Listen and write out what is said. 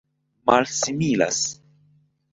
malsimilas